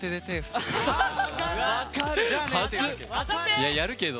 いややるけど。